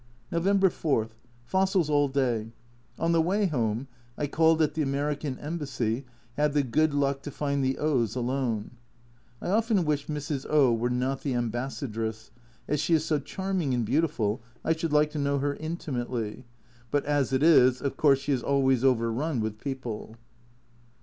November 4. Fossils all day. On the way home I called at the American Embassy had the good luck to find the O s alone. I often wish Mrs. O were not the Ambassadress, as she is so charming and beautiful, I should like to know her intimately, but as it is, of course she is always overrun with people.